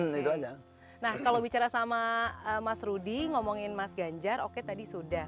nah kalau bicara sama mas rudy ngomongin mas ganjar oke tadi sudah